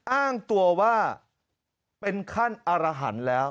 อ้างตัวว่าเป็นขั้นอารหันต์แล้ว